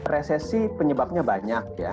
resesi penyebabnya banyak ya